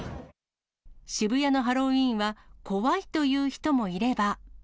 渋谷のハロウィーンは怖いという人もいれば。